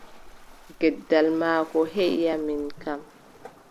Gendal maako heʼi am min kam!